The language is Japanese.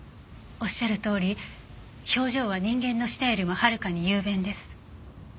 おっしゃるとおり表情は人間の舌よりもはるかに雄弁です。